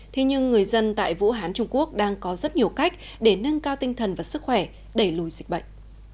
thế nhưng người dân tại vũ hán trung quốc đang có rất nhiều cách để nâng cao tinh thần và sức khỏe đẩy lùi dịch bệnh